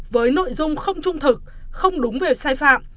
với nội dung không trung thực không đúng về sai phạm